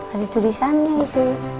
ada tulisannya itu